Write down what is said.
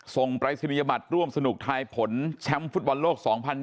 ปรายศนียบัตรร่วมสนุกทายผลแชมป์ฟุตบอลโลก๒๐๒๐